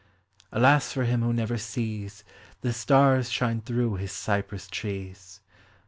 Alas for him who never sees The stars shine through his cypress trees!